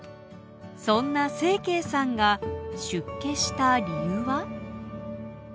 そんな晴惠さんが出家した理由は？